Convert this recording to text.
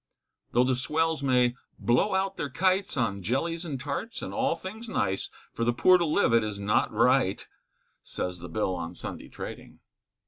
Tho' the swells they may blow out their kites, On jellies and tarts, and all things nice, For the poor to live it is not right, Says the Bill on Sunday trading.